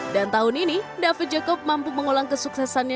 dan tahun ini david jacob mampu mengulang kesuksesannya